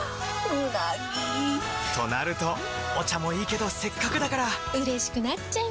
うなぎ！となるとお茶もいいけどせっかくだからうれしくなっちゃいますか！